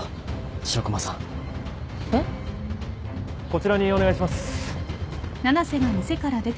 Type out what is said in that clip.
こちらにお願いします。